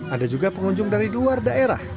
ada juga pengunjung dari luar daerah